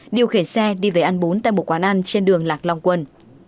điều khiển xe đi về ăn bốn tại một quán ăn trên đường lạc long quân